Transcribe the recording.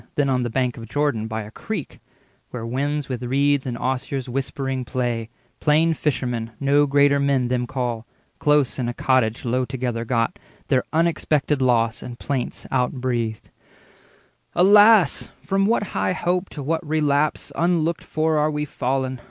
Then on the bank of Jordan, by a creek, Where winds with reeds and osiers whispering play, Plain fishermen (no greater men them call), Close in a cottage low together got, Their unexpected loss and plaints outbreathed:— "Alas, from what high hope to what relapse 30 Unlooked for are we fallen!